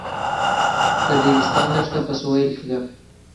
د ریګستان دښته په سویل کې ده